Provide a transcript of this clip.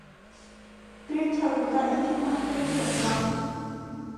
بىر چالمىدا ئىككى پاختەك سوقماق